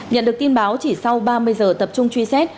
nhận được tin báo chỉ sau ba mươi giờ tập trung truy xét